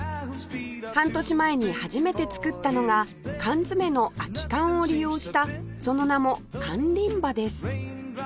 半年前に初めて作ったのが缶詰の空き缶を利用したその名も缶リンバです